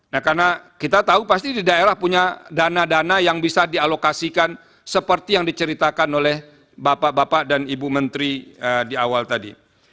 nah karena kita tahu pasti di daerah punya dana dana yang bisa dialokasikan seperti yang diceritakan oleh pemerintah